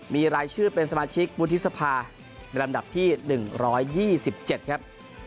มีรายชื่อเป็นสมาชิกวุฒิสภาในลำดับที่๑๒๗ครับ